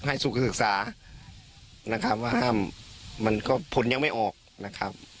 สุขศึกษานะครับว่าห้ามมันก็ผลยังไม่ออกนะครับ